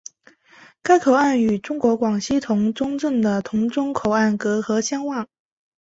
该口岸与中国广西峒中镇的峒中口岸隔河相望。